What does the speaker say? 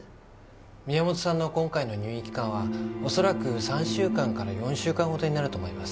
宮本さんの今回の入院期間は恐らく３週間から４週間ほどになると思います